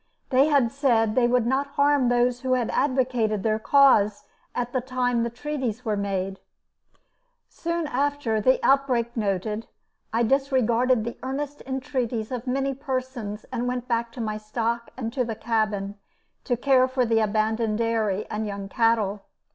They had said they would not harm those who had advocated their cause at the time the treaties were made. [Illustration: The lost child.] Soon after the outbreak noted, I disregarded the earnest entreaties of many persons and went back to my stock and to the cabin to care for the abandoned dairy and young cattle.